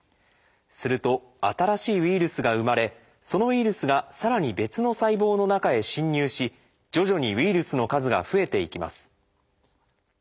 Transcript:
すると新しいウイルスが生まれそのウイルスがさらに別の細胞の中へ侵入し徐々にウイルスの数が増えていきます。